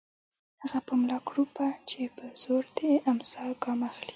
هغه په ملا کړوپه چې په زور د امساء ګام اخلي